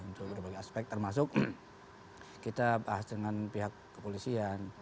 untuk berbagai aspek termasuk kita bahas dengan pihak kepolisian